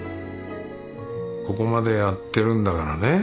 ここまでやってるんだからね